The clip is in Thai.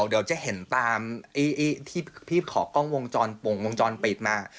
เดี๋ยวจะเห็นตามที่พี่ขอกล้องวงจรปงวงจรปิดมา